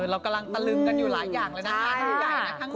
เรากำลังตะลึงกันอยู่หลายอย่างเลยนะครับ